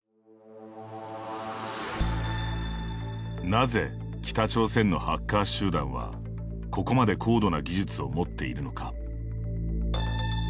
なぜ、北朝鮮のハッカー集団はここまで高度な技術を持っているのか。